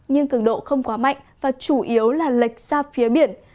nhưng cường độ không quá mạnh và chủ yếu là lệch ra phía biển